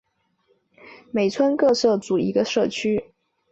每村各设组一个社区。